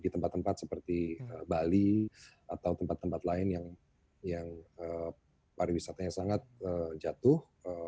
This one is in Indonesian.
jadi tempat tempat seperti bali atau tempat tempat lain yang pariwisatanya sangat jatuh